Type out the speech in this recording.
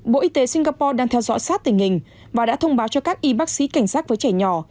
bộ y tế singapore đang theo dõi sát tình hình và đã thông báo cho các y bác sĩ cảnh sát với trẻ nhỏ